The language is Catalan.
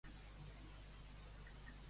On va ser destinat, el cadàver de Glauc?